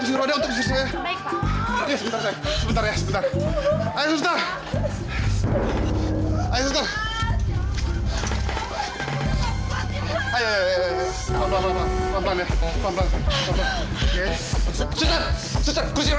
mas apa tidak cukup